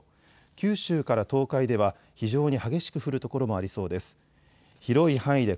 九州から東海では非常に激しく降る所もありそうです。